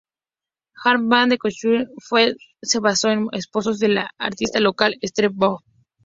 Harman, de Christchurch, que se basó en esbozos de la artista local, Esther Hope.